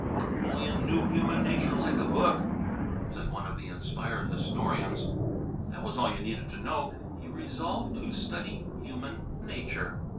"Napoleon knew human nature like a book," said one of the inspired historians. That was all you needed to know. He resolved to study human nature.